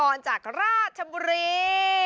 ทำจากราธชบุรี